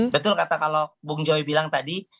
betul kata kalau bung joy bilang tadi